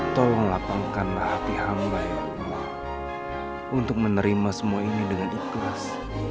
tolong lapangkanlah hati hamba ya allah untuk menerima semua ini dengan ikhlas